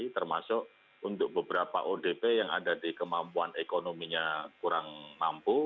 termasuk untuk beberapa odp yang ada di kemampuan ekonominya kurang mampu